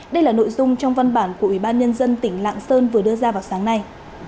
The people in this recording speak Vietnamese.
đây là nội dung trong văn bản của ủy ban nhân dân tỉnh lạng sơn vừa đưa ra vào sáng nay